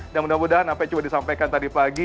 dan mudah mudahan sampai coba disampaikan tadi pagi